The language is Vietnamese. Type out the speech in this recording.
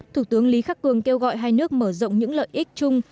thủ tướng lý khắc cường kêu gọi hai nước mở rộng những lợi ích chung